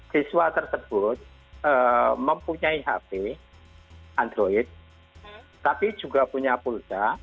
siswa tersebut mempunyai hp android tapi juga punya pulsa